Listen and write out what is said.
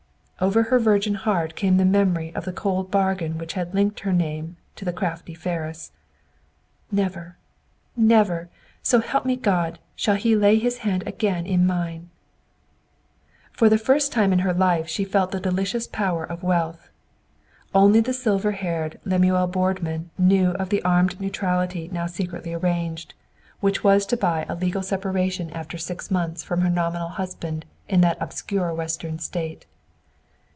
Over her virgin heart came the memory of the cold bargain which had linked her name to the crafty Ferris. "Never, never, so help me, God! shall he lay his hand again in mine!" For the first time in her life she felt the delicious power of wealth. Only the silver haired Lemuel Boardman knew of the armed neutrality now secretly arranged, which was to buy a legal separation after six months from her nominal husband in that obscure Western State.